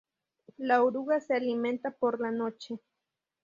La oruga se alimenta por la noche.